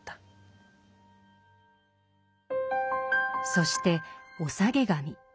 そしてお下げ髪。